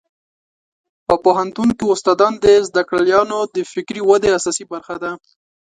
په پوهنتون کې استادان د زده کړیالانو د فکري ودې اساسي برخه ده.